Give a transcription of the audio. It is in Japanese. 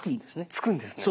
つくんですね。